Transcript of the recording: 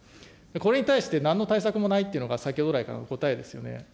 これに対してなんの対策もないというのが、先ほど来からの答えですよね。